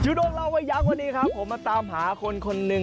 จูโดเวลาไว้ยังวันนี้ผมมาตามหาคนหนึ่ง